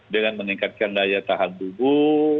dengan meningkatkan daya tahan tubuh